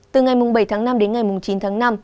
từ ngày bảy tháng năm đến ngày chín tháng năm